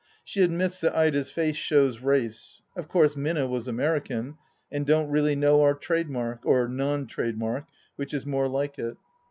She admits that Ida's face shows "race." Of course Minna was American, and don't really know our trademark — or non trademark, which is more like it.